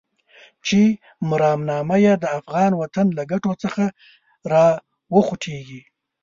چې مرامنامه يې د افغان وطن له ګټو څخه راوخوټېږي.